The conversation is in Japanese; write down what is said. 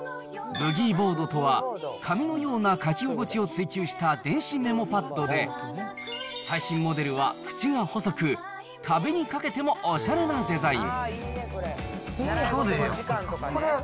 ブギーボードとは紙のような書き心地を追求した電子メモパッドで、最新モデルは縁が細く、壁に掛けてもおしゃれなデザイン。